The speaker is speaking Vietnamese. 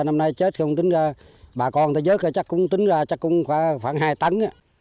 năm nay chết không tính ra bà con ta chết chắc cũng tính ra khoảng hai tấn